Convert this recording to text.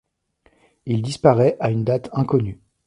Il disparaît à une date inconnue.